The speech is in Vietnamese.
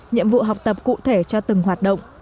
nhiệm vụ học tập cụ thể cho từng hoạt động